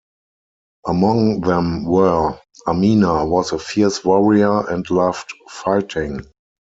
Among them were: Amina was a fierce warrior and loved fighting.